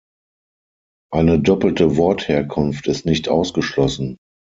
Eine doppelte Wortherkunft ist nicht ausgeschlossen.